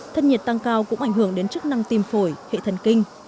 thân nhiệt tăng cao cũng ảnh hưởng đến chức năng tim phổi hệ thần kinh